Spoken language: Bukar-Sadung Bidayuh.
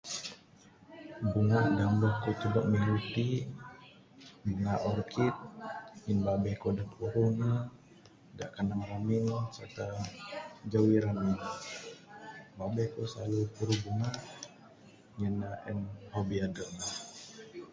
Bunga dak mbeh ku tebuk minggu ti bunga Orkid ngin babeh ku deh puruh nek dak kenang remin serta jewi remin. Babeh ku slalu puruh bunga ngin ne en hobi adep ne.